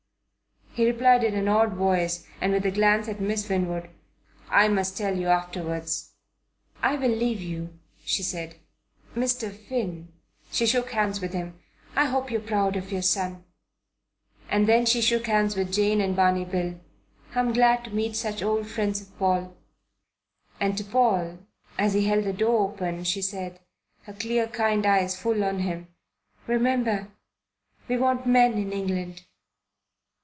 He replied in an odd voice, and with a glance at Miss Winwood. "I must tell you afterwards." "I will leave you," she said. "Mr. Finn" she shook hands with him "I hope you're proud of your son." And then she shook hands with Jane and Barney Bill. "I'm glad to meet such old friends of Paul." And to Paul, as he held the door open, she said, her clear kind eyes full on him, "Remember, we want men in England."